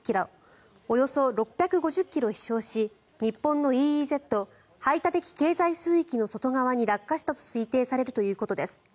およそ６５０ｋｍ飛翔し日本のＥＥＺ・排他的経済水域の外側に落下したと推定されるということです。